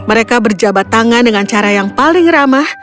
mereka berjabat tangan dengan cara yang paling ramah